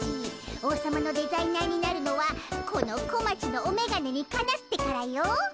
王様のデザイナーになるのはこの小町のおめがねにかなってからよ。